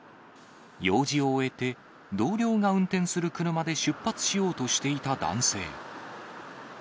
用事を終えて、同僚が運転する車で出発しようとしていた男性。